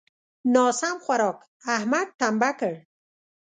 ناسم خوارک؛ احمد ټمبه کړ.